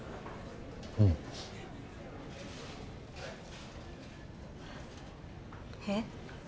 うん。えっ？